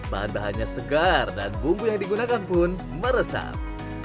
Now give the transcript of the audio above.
bahan bahannya segar dan bumbu yang digunakan pun meresap